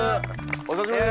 お久しぶりです。